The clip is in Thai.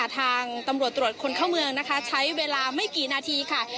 ทางตำรวจตรวจคนเข้าเมืองนะคะใช้เวลาไม่กี่นาทีค่ะ